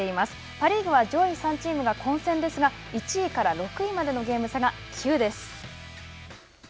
パ・リーグは上位３チームが混戦ですが１位から６位までのゲーム差が９です。